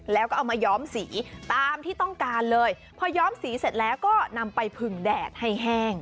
แล้วก็เอามาย้อมสีตามที่ต้องการเลยพอย้อมสีเสร็จแล้วก็นำไปผึ่งแดดให้แห้ง